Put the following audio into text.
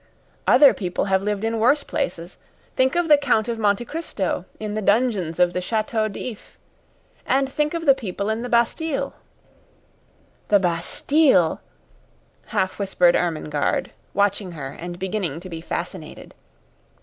"Other people have lived in worse places. Think of the Count of Monte Cristo in the dungeons of the Chateau d'If. And think of the people in the Bastille!" "The Bastille," half whispered Ermengarde, watching her and beginning to be fascinated.